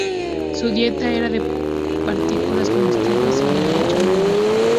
Su dieta era de partículas comestibles en el lecho marino.